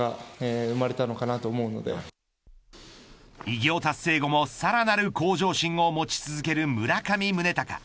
偉業達成後もさらなる向上心を持ち続ける村上宗隆